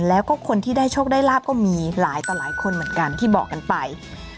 แล้วก็คนที่ได้โชคได้ลาบก็มีหลายต่อหลายคนเหมือนกันที่บอกกันไป